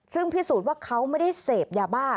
ซึ่งพิสูจน์ว่าเขาไม่ได้เสพยาบ้า